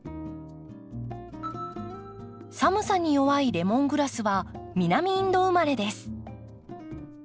寒さに弱いレモングラスは南インド生まれです。